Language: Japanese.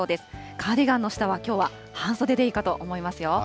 カーディガンの下は、きょうは半袖でいいかと思いますよ。